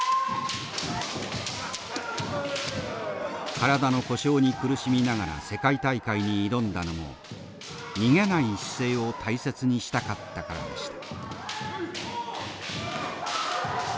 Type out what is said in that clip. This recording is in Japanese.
体の故障に苦しみながら世界大会に挑んだのも逃げない姿勢を大切にしたかったからでした。